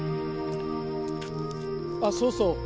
あっそうそう。